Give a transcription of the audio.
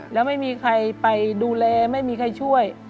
แล้วไม่มีใครไปดูแลไม่มีใครช่วย